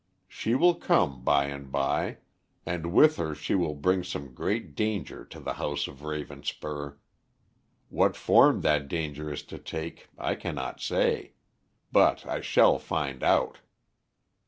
She will come by and by, and with her she will bring some great danger to the house of Ravenspur. What form that danger is to take I cannot say. But I shall find out."